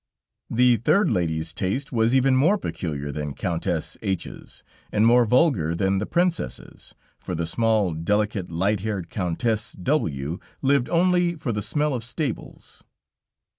The third lady's taste was even more peculiar than Countess H 's, and more vulgar than the Princess's, for the small, delicate, light haired Countess W lived only for the smell of stables.